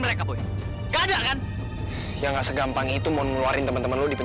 mereka kena antri kita tuh mon